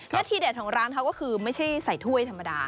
และทีเด็ดของร้านเขาก็คือไม่ใช่ใส่ถ้วยธรรมดา